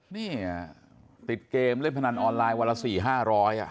นี่ติดเกมเล่นพนันออนไลน์วันละ๔๕๐๐บาท